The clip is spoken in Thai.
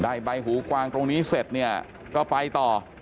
ได้ใบหูกวางตรงนี้เสร็จก็ไปต่อ